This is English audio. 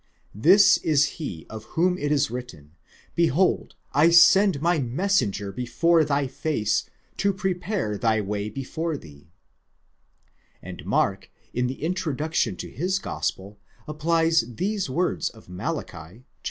This is he of whom tt ἐς written, Behold I send my messenger before thy face, to prepare thy way before thee; and Mark in the introduction to his Gospel, applies these words of Malachi (ili.